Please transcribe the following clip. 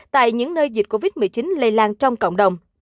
tại những nơi dịch covid một mươi chín lây lan trong cộng đồng